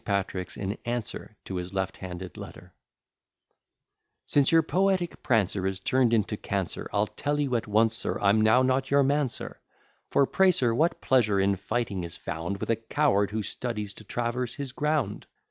PATRICK'S IN ANSWER TO HIS LEFT HANDED LETTER Since your poetic prancer is turn'd into Cancer, I'll tell you at once, sir, I'm now not your man, sir; For pray, sir, what pleasure in fighting is found With a coward, who studies to traverse his ground?